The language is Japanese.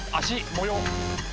模様。